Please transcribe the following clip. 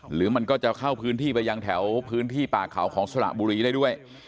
หรือมันก็จะเข้าพื้นที่ไปยังแถวพื้นที่ป่าเขาของสระบุรีได้ด้วย